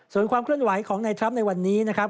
ส่วนความเคลื่อนไหวของในทรัมป์ในวันนี้นะครับ